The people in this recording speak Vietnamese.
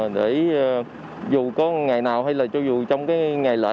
để dù có ngày nào hay là cho dù trong cái ngày lễ